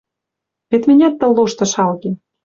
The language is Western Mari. Вет мӹнят тыл лошты шалгем...